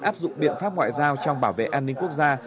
áp dụng biện pháp ngoại giao trong bảo vệ an ninh quốc gia